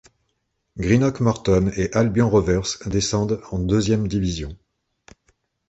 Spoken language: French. Greenock Morton et Albion Rovers descendent en deuxième division.